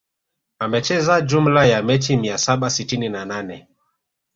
Amecheza jumla ya mechi mia saba sitini na nane